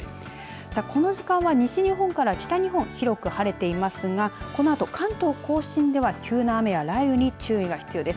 この時間は西日本から北日本広く晴れていますが、このあと関東甲信では急な雨や雷雨に注意が必要です。